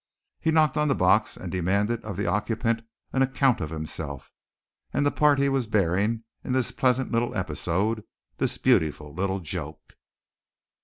He knocked on the box and demanded of the occupant an account of himself, and the part he was bearing in this pleasant little episode, this beautiful little joke.